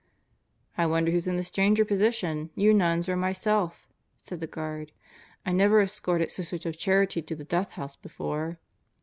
"I wonder who's in the stranger position: you nuns or myself," said the guard, "I never escorted Sisters of Charity to the Death House before."